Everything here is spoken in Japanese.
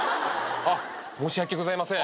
あっ申し訳ございません。